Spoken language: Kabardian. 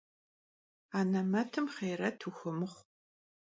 Anemetım xhêyret vuxuemıxhu.